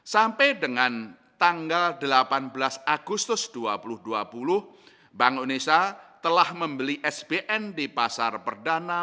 sampai dengan tanggal delapan belas agustus dua ribu dua puluh bank indonesia telah membeli sbn di pasar perdana